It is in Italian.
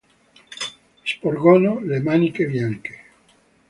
Sporgono le maniche bianche.